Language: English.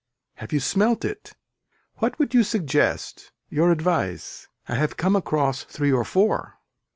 Have you smelt it. What would you suggest, your advice I have come across three or four.